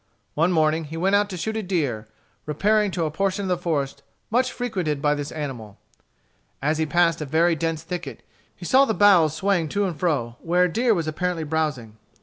One morning he went out to shoot a deer, repairing to a portion of the forest much frequented by this animal. As he passed a very dense thicket, he saw the boughs swaying to and fro, where a deer was apparently browsing.